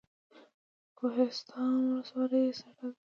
د کوهستان ولسوالۍ سړه ده